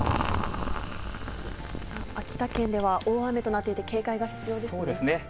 秋田県では大雨となっていて、そうですね。